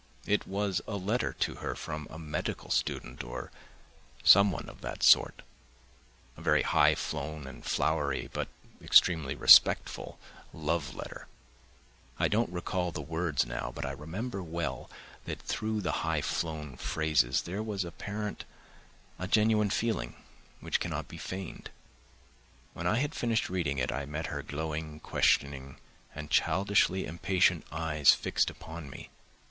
It was a letter to her from a medical student or someone of that sort—a very high flown and flowery, but extremely respectful, love letter. I don't recall the words now, but I remember well that through the high flown phrases there was apparent a genuine feeling, which cannot be feigned. When I had finished reading it I met her glowing, questioning, and childishly impatient eyes fixed upon me.